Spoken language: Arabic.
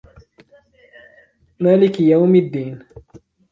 مالك يوم الدين